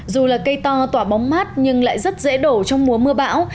dù là cây to tỏa bóng mát nhưng lại rất dễ đổ trong mùa mưa bão